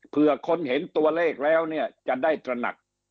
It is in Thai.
เพื่อคนเห็นตัวเลขแล้วเนี่ยจะได้ตระหนัก